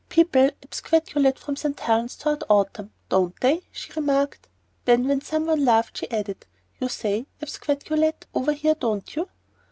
"People absquatulate from St. Helen's toward autumn, don't they?" she remarked. Then when some one laughed she added, "You say 'absquatulate' over here, don't you?"